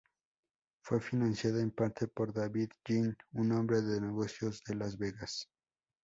Fue financiada en parte por David Jin, un hombre de negocios de Las Vegas.